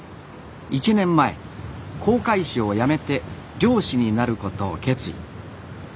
１年前航海士を辞めて漁師になることを決意。